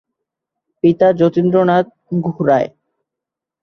পিতা যতীন্দ্রনাথ গুহরায়।